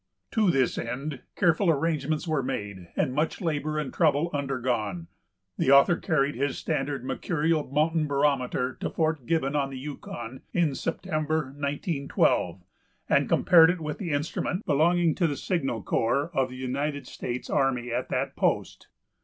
To this end careful arrangements were made and much labor and trouble undergone. The author carried his standard mercurial mountain barometer to Fort Gibbon on the Yukon in September, 1912, and compared it with the instrument belonging to the Signal Corps of the United States army at that post.